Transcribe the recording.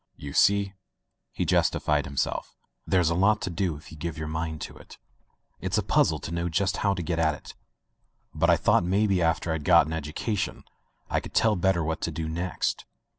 "You see,'' he justified himself, "there's a lot to do if you give your mind to it. It's a puzzle to know just how to get at it, but I thought maybe after I'd got an education I could tell better what to do next.